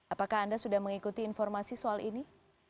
apakah anda sudah mengikuti informasi soal ini